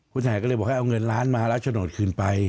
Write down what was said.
ผู้เสียหายก็เลยบอกให้เอาเงินล้านมาแล้วฉนดคืนไป